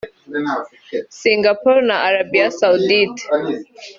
Singapore na Arabie Saoudite